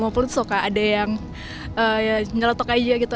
ngumpul ngumpul suka ada yang nyelotok aja gitu